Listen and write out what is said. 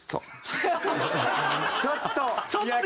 ちょっと。